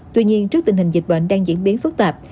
tuy nhiên trước tình hình dịch bệnh đang diễn biến phức tạp